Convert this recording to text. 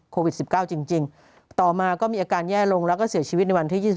โควิด๑๙จริงต่อมาก็มีอาการแย่ลงแล้วก็เสียชีวิตในวันที่๒๒